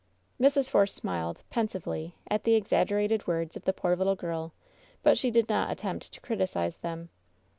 Mrs. Force smiled, pensively, at the exaggerated words of the poor little girl, but she did not attempt to criticize them.